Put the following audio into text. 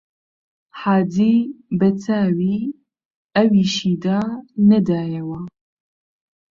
حاجی بە چاوی ئەویشیدا نەدایەوە